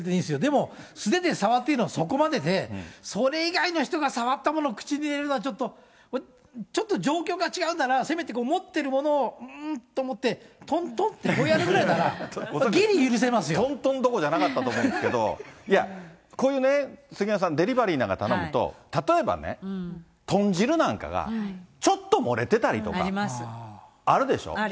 でも、素手で触っていいのはそこまでで、それ以外の人が触ったもの口に入れるのは、ちょっと状況が違うなら、せめて持ってるものを、うーんと思って、とんとんってこうやとんとんどころじゃなかったと思うんですけど、いや、こういう杉山さん、デリバリーなんか頼むと、例えば、豚汁なんかがちょっと漏れてたりとかあるでしょう。